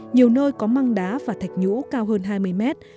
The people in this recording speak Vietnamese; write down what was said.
nhiều nơi có măng đá và thạch nhũ cao hơn hai mươi mét